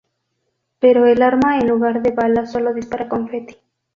Pero el arma en lugar de balas sólo dispara confeti.